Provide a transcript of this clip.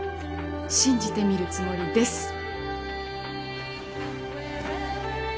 信じてみるつもりです。